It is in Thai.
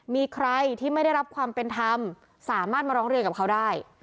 มีใครที่ไม่ได้รับความเป็นธรรมสามารถมาร้องเรียนกับเขาได้